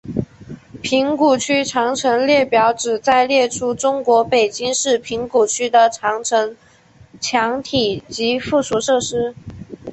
平谷区长城列表旨在列出中国北京市平谷区的长城墙体及附属设施。